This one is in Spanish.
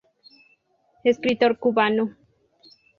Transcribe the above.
Escritor cubano.